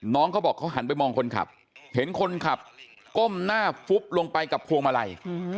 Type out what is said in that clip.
เขาบอกเขาหันไปมองคนขับเห็นคนขับก้มหน้าฟุบลงไปกับพวงมาลัย